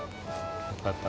よかった。